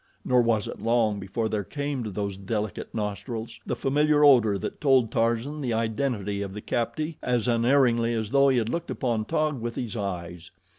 Nor was it long before there came to those delicate nostrils the familiar odor that told Tarzan the identity of the captive as unerringly as though he had looked upon Taug with his eyes.